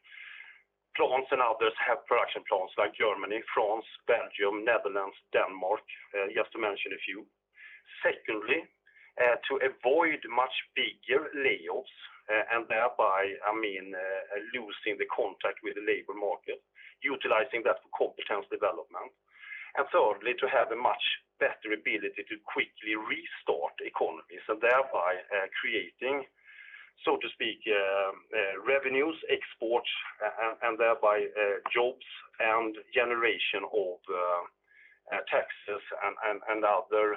plants and others have production plants like Germany, France, Belgium, Netherlands, Denmark, just to mention a few. Secondly, to avoid much bigger layoffs and thereby losing the contact with the labor market, utilizing that for competence development. Thirdly, to have a much better ability to quickly restart economies and thereby creating, so to speak, revenues, exports, and thereby jobs and generation of taxes and other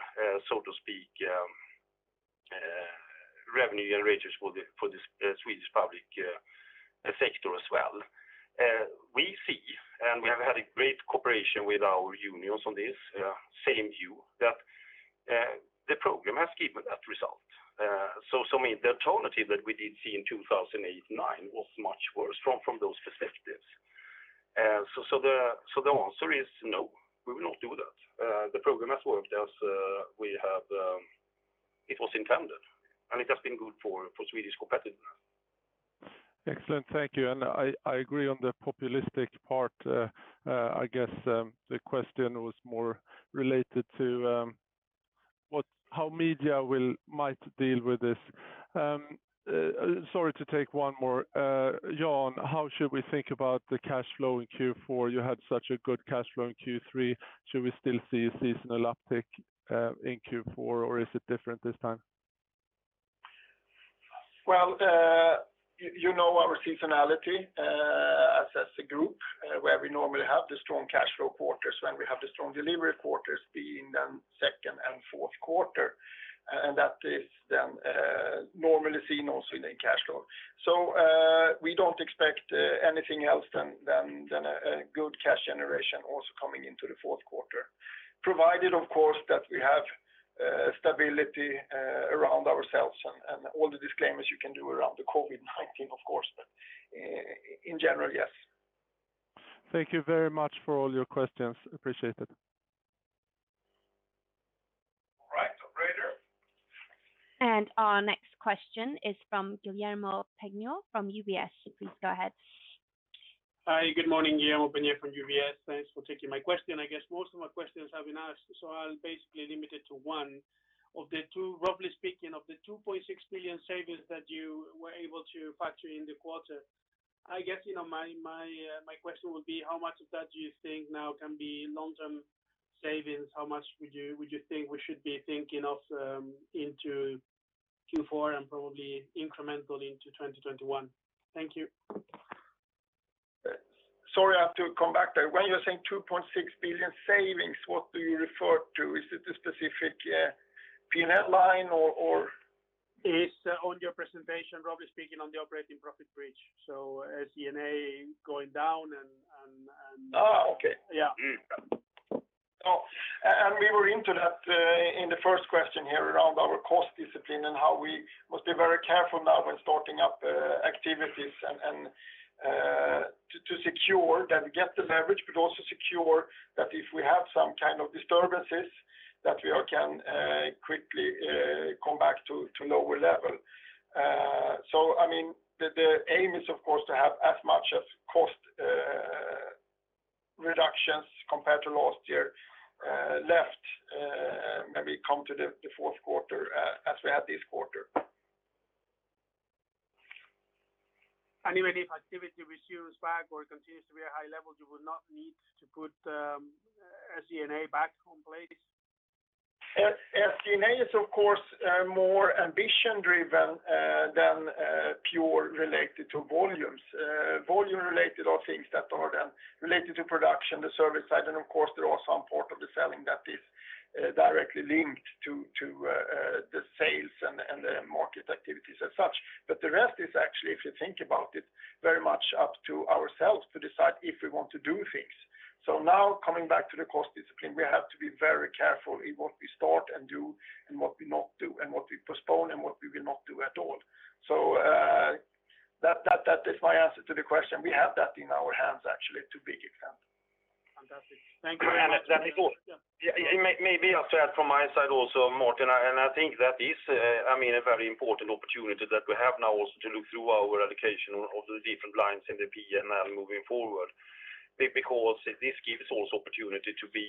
revenue generators for the Swedish public sector as well. We see, and we have had a great cooperation with our unions on this same view, that the program has given that result. The alternative that we did see in 2008 and 2009 was much worse from those perspectives. The answer is no, we will not do that. The program has worked as it was intended, and it has been good for Swedish competitiveness.
Excellent. Thank you. I agree on the populistic part. I guess the question was more related to how media might deal with this. Sorry to take one more. Jan, how should we think about the cash flow in Q4? You had such a good cash flow in Q3. Should we still see a seasonal uptick in Q4, or is it different this time?
Well, you know our seasonality as a group, where we normally have the strong cash flow quarters when we have the strong delivery quarters being the second and fourth quarter. That is then normally seen also in the cash flow. We don't expect anything else than a good cash generation also coming into the fourth quarter, provided, of course, that we have stability around ourselves and all the disclaimers you can do around the COVID-19, of course, but in general, yes.
Thank you very much for all your questions. Appreciate it.
Right. Operator?
Our next question is from Guillermo Peigneux from UBS. Please go ahead.
Hi, good morning, Guillermo Peigneux from UBS. Thanks for taking my question. I guess most of my questions have been asked, so I'll basically limit it to one. Roughly speaking, of the 2.6 billion savings that you were able to factor in the quarter, I guess my question would be, how much of that do you think now can be long-term savings? How much would you think we should be thinking of into Q4 and probably incremental into 2021? Thank you.
Sorry, I have to come back there. When you're saying 2.6 billion savings, what do you refer to? Is it a specific P&L line or?
It's on your presentation, roughly speaking, on the operating profit bridge. SG&A going down and.
Okay. We were into that in the first question here around our cost discipline and how we must be very careful now when starting up activities and to secure that we get the leverage, but also secure that if we have some kind of disturbances, that we can quickly come back to lower level. The aim is, of course, to have as much of cost reductions compared to last year left when we come to the fourth quarter as we had this quarter.
Even if activity resumes back or continues to be at high levels, you will not need to put SG&A back in place?
SG&A is, of course, more ambition driven than pure related to volumes. Volume related are things that are then related to production, the service side, and of course, there are some part of the selling that is directly linked to the sales and the market activities as such. The rest is actually, if you think about it, very much up to ourselves to decide if we want to do things. Now coming back to the cost discipline, we have to be very careful in what we start and do and what we not do and what we postpone and what we will not do at all. That is my answer to the question. We have that in our hands, actually, to make it happen.
Fantastic. Thank you very much. That is all.
Yeah. Maybe I'll add from my side also, Martin, and I think that is a very important opportunity that we have now also to look through our allocation of the different lines in the P&L moving forward, because this gives also opportunity to be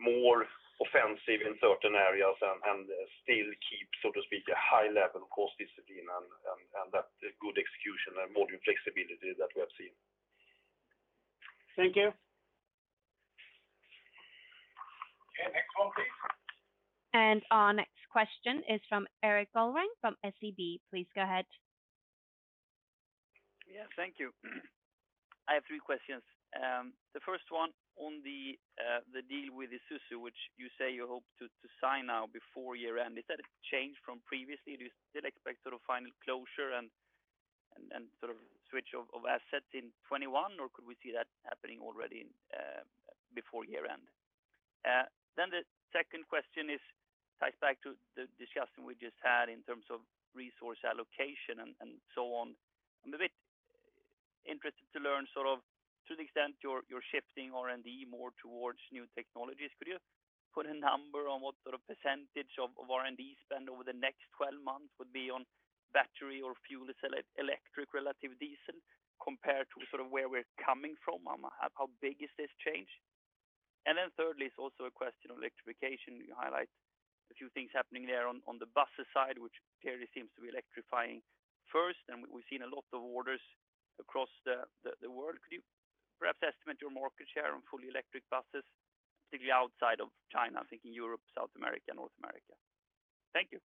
more offensive in certain areas and still keep, so to speak, a high level of cost discipline and that good execution and module flexibility that we have seen.
Thank you.
Okay, next one, please.
Our next question is from Erik Golrang from SEB. Please go ahead.
Yeah, thank you. I have three questions. The first one on the deal with Isuzu, which you say you hope to sign now before year-end. Is that a change from previously? Do you still expect final closure and switch of assets in '21, or could we see that happening already before year-end? The second question ties back to the discussion we just had in terms of resource allocation and so on. I'm a bit interested to learn, to the extent you're shifting R&D more towards new technologies, could you put a number on what percentage of R&D spend over the next 12 months would be on battery or fuel electric relative diesel compared to where we're coming from? How big is this change? Thirdly, it's also a question on electrification. You highlight a few things happening there on the buses side, which clearly seems to be electrifying first, and we've seen a lot of orders across the world. Could you perhaps estimate your market share on fully electric buses, particularly outside of China, thinking Europe, South America, North America? Thank you.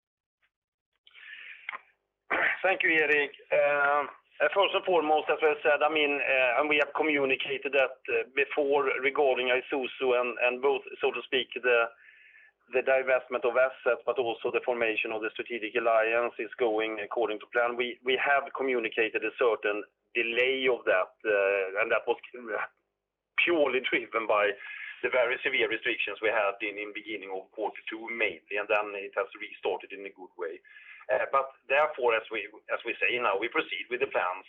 Thank you, Erik. First and foremost, as I said, and we have communicated that before regarding Isuzu and both, so to speak, the divestment of assets, but also the formation of the strategic alliance is going according to plan. We have communicated a certain delay of that, and that was purely driven by the very severe restrictions we had in the beginning of quarter two, mainly, and then it has restarted in a good way. therefore, as we say now, we proceed with the plans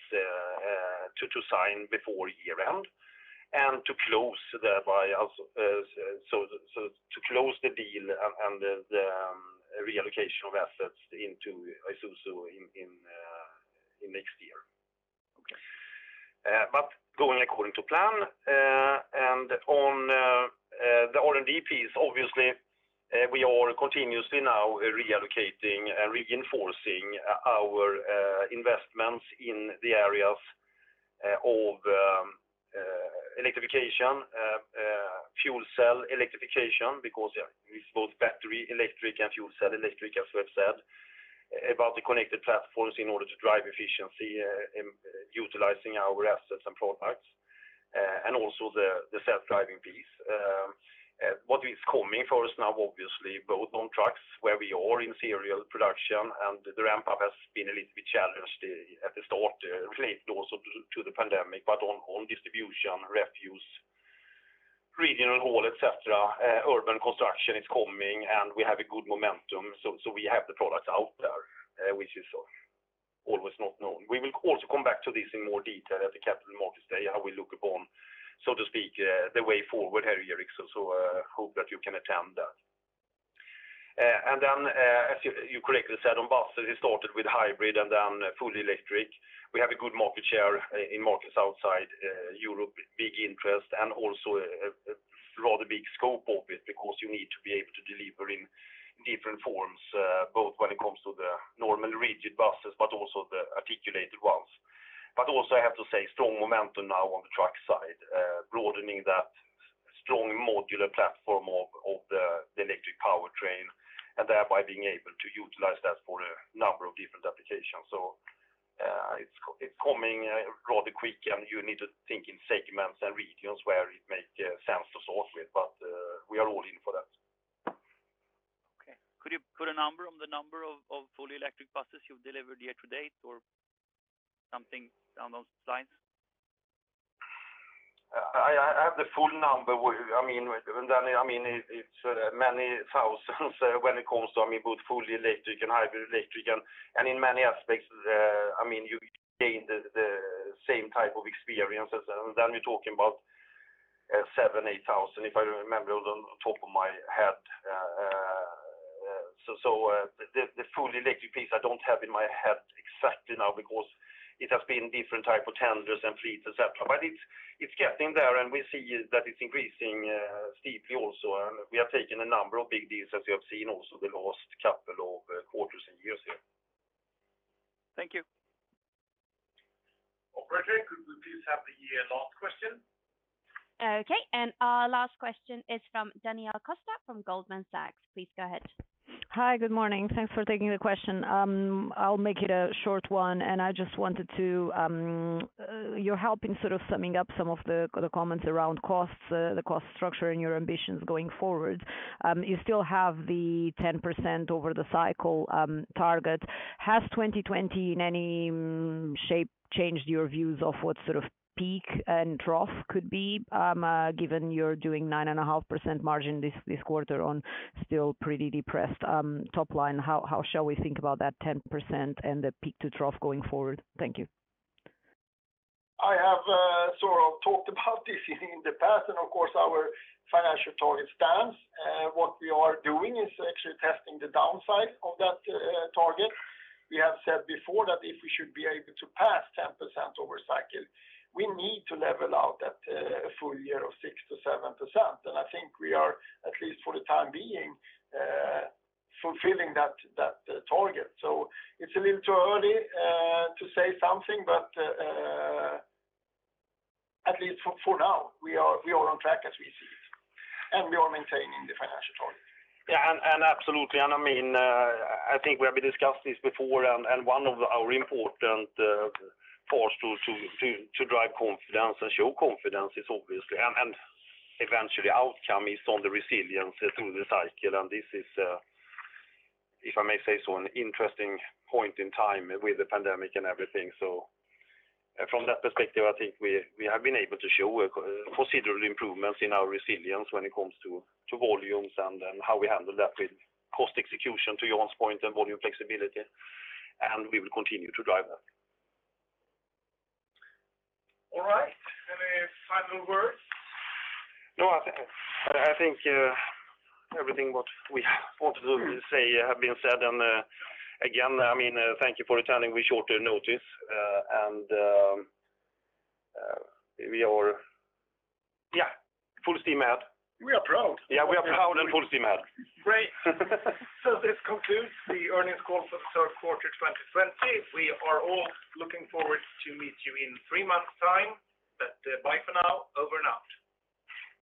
to sign before year-end and to close the deal and the reallocation of assets into Isuzu in next year. Going according to plan. On the R&D piece, obviously, we are continuously now reallocating and reinforcing our investments in the areas of electrification, fuel cell electrification, because it's both battery electric and fuel cell electric, as we have said, about the connected platforms in order to drive efficiency in utilizing our assets and products, and also the self-driving piece. What is coming for us now, obviously, both on trucks where we are in serial production and the ramp-up has been a little bit challenged at the start, related also to the pandemic, but on distribution, refuse, regional haul, et cetera, urban construction is coming, and we have a good momentum. We have the products out there, which is always not known. We will also come back to this in more detail at the Capital Markets Day, how we look upon, so to speak, the way forward here, Erik. hope that you can attend that. as you correctly said, on buses, it started with hybrid and then fully electric. We have a good market share in markets outside Europe, big interest, and also a rather big scope of it, because you need to be able to deliver in different forms, both when it comes to the normal rigid buses, but also the articulated ones. also, I have to say, strong momentum now on the truck side, broadening that strong modular platform of the electric powertrain, and thereby being able to utilize that for a number of different applications. It's coming rather quick, and you need to think in segments and regions where it make sense to source it, but we are all in for that.
Okay. Could you put a number on the number of fully electric buses you've delivered year to date or something down those lines?
I have the full number. It's many thousands when it comes to both fully electric and hybrid electric, and in many aspects, you gain the same type of experiences. we're talking about 7,000, 8,000, if I remember on the top of my head. the fully electric piece I don't have in my head exactly now because it has been different type of tenders and fleets, et cetera. it's getting there, and we see that it's increasing steeply also, and we have taken a number of big deals, as you have seen also the last couple of quarters and years here.
Thank you.
Operator, could we please have the last question?
Okay, our last question is from Daniela Costa from Goldman Sachs. Please go ahead.
Hi, good morning. Thanks for taking the question. I'll make it a short one. You're helping summing up some of the comments around costs, the cost structure, and your ambitions going forward. You still have the 10% over the cycle target. Has 2020, in any shape, changed your views of what peak and trough could be, given you're doing 9.5% margin this quarter on still pretty depressed top line? How shall we think about that 10% and the peak to trough going forward? Thank you.
I have talked about this in the past and of course our financial target stands. What we are doing is actually testing the downside of that target. We have said before that if we should be able to pass 10% over cycle, we need to level out that full year of 6% to 7%. I think we are, at least for the time being, fulfilling that target. It's a little too early to say something, but at least for now, we are on track as we see it, and we are maintaining the financial target.
Yeah, absolutely. I think we have discussed this before, and one of our important parts to drive confidence and show confidence is obviously, and eventually outcome is on the resilience through the cycle. This is, if I may say so, an interesting point in time with the pandemic and everything. From that perspective, I think we have been able to show considerable improvements in our resilience when it comes to volumes and how we handle that with cost execution, to Jan's point, and volume flexibility, and we will continue to drive that.
All right. Any final words?
No, I think everything what we wanted to say have been said, and again, thank you for attending with short notice. We are full steam ahead.
We are proud.
Yeah, we are proud and full steam ahead.
Great. This concludes the earnings call for third quarter 2020. We are all looking forward to meet you in three months time. Bye for now. Over and out